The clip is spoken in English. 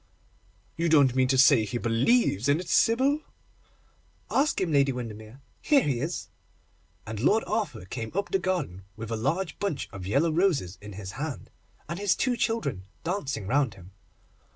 'You don't mean to say that he believes in it, Sybil?' 'Ask him, Lady Windermere, here he is'; and Lord Arthur came up the garden with a large bunch of yellow roses in his hand, and his two children dancing round him.